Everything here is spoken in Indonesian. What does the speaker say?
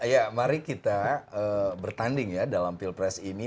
ya mari kita bertanding ya dalam pilpres ini